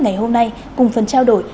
ngày hôm nay cùng phần trao đổi